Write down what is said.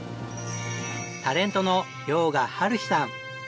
タレントの遼河はるひさん。